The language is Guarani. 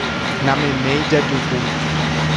Nameméi jajuhu